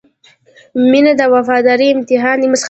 • مینه د وفادارۍ امتحان دی.